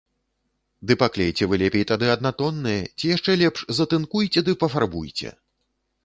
Ды паклейце вы лепей тады аднатонныя, ці яшчэ лепш, затынкуйце ды пафарбуйце!